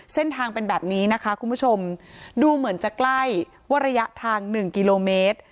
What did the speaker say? เส้นทางเป็นแบบนี้นะคะคุณผู้ชมดูเหมือนจะใกล้ว่าระยะทางหนึ่งกิโลเมตร